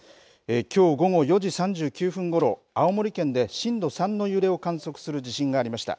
きょう午後４時３９分ごろ青森県で震度３の揺れを観測する地震がありました。